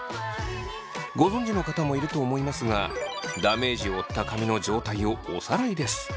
ご存じの方もいると思いますがダメージを負った髪の状態をおさらいです。